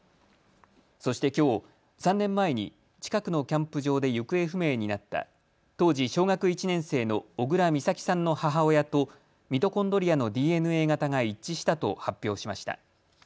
そしてきょう３年前に近くのキャンプ場で行方不明になった当時小学１年生の小倉美咲さんの母親とミトコンドリアのＤＮＡ型が一致したと発表しました。